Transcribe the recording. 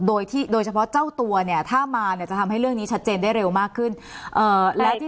โดยที่โดยเฉพาะเจ้าตัวเนี่ยถ้ามาเนี่ยจะทำให้เรื่องนี้ชัดเจนได้เร็วมากขึ้น